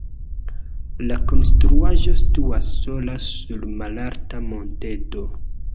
La konstruaĵo situas sola sur malalta monteto.